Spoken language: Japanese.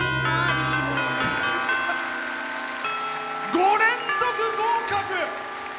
５連続合格！